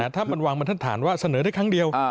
ถ้ามันวางบรรทัศฐานว่าเสนอได้ครั้งเดียว